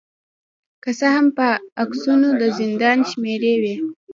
که څه هم په عکسونو کې د زندان شمیرې وې